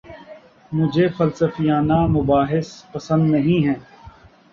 مجھے فلسفیانہ مباحث پسند نہیں ہیں